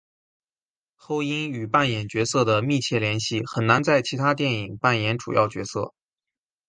后因与扮演角色的紧密联系很难在其他电影扮演主要角色。